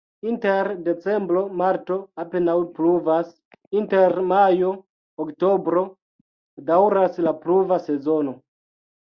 Inter decembro-marto apenaŭ pluvas, inter majo-oktobro daŭras la pluva sezono.